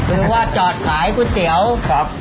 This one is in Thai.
หรือว่าจอดขายก๋วยเตี๋ยวครับ